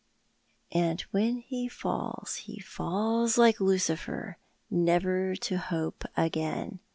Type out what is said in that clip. "' And when he fall?, he falls like Lucifer, Never to hope again.'